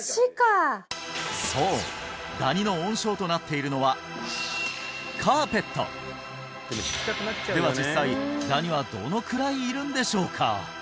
そうダニの温床となっているのはカーペットでは実際ダニはどのくらいいるんでしょうか？